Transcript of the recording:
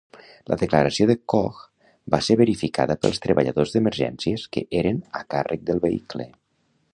La declaració de Koch va ser verificada pels treballadors d'emergències que eren a càrrec del vehicle.